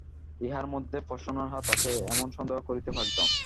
ইহার মধ্যে প্রসন্নর হাত আছে, এমন সন্দেহ করিতে পারিতাম।